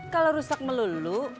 kalau rusak melulu